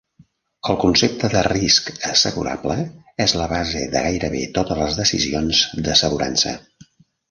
El concepte de risc assegurable és la base de gairebé totes les decisions d'assegurança.